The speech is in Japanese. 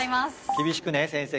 厳しくね先生。